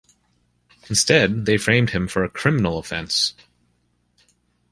Instead, they framed him for a criminal offense.